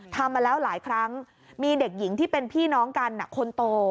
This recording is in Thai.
ทำมาแล้วหลายครั้งมีเด็กหญิงที่เป็นพี่น้องกันคนโต